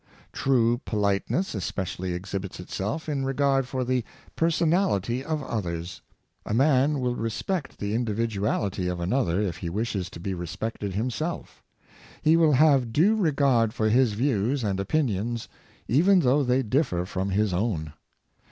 True politeness especially exhibits itself in regard for the personality of others. A man will respect the Self restrain t. 527 individuality of another if he wishes to be respected himself. He will have due regards for his views and opinions, even though they differ from his own.